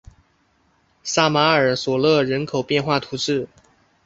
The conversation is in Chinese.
萨马尔索勒人口变化图示